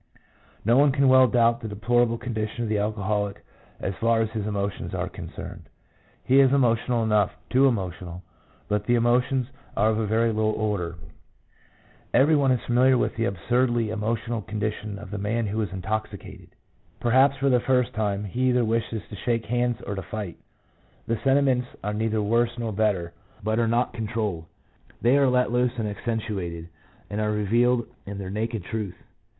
No one can well doubt the deplorable condition of the alcoholic as far as his emotions are concerned. He is emotional enough, — too emotional; — but the emotions are of a very low order. Every one is familiar with the absurdly emotional condition of the man who is intoxicated, perhaps for the first time ; he either wishes to shake hands or to fight. The senti ments are neither worse nor better, but are not con trolled : they are let loose and accentuated, and are revealed in their naked truth.